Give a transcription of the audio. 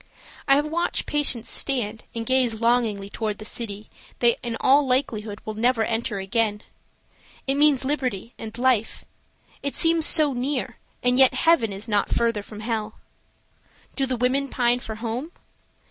I have watched patients stand and gaze longingly toward the city they in all likelihood will never enter again. It means liberty and life; it seems so near, and yet heaven is not further from hell. Do the women pine for home?